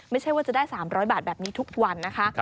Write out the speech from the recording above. ไม่ใช่ว่าจะได้๓๐๐บาทแบบนี้ทุกวันนะคะ